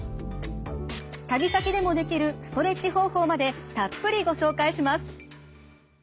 旅先でもできるストレッチ方法までたっぷりご紹介します。